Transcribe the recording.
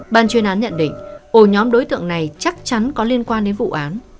ban chuyên án nhận định ổ nhóm đối tượng này chắc chắn có liên quan đến vụ án